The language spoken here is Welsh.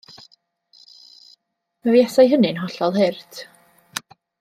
Mi fuasai hynna'n hollol hurt.